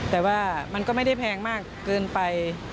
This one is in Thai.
แต่ว่ามันก็ไม่ได้แพงมากเกินไป